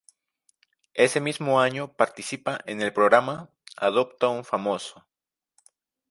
Ese mismo año participa en el programa "Adopta un famoso".